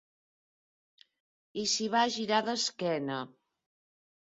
I s'hi va girar d'esquena.